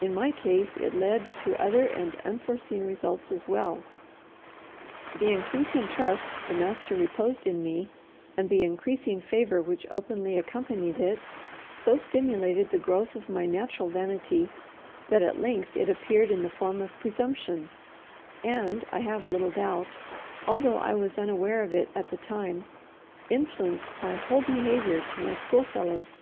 In my case it led to other and unforeseen results as well. The increasing trust the master reposed in me, and the increasing favour which openly accompanied it, so stimulated the growth of my natural vanity, that at length it appeared in the form of presumption, and, I have little doubt, although I was unaware of it at the time, influenced my whole behaviour to my school fellows.